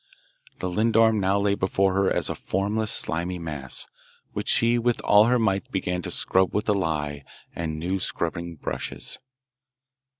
The lindorm now lay before her as a formless, slimy mass, which she with all her might began to scrub with the lye and new scrubbing brushes.